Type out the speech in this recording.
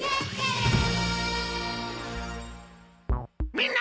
みんな！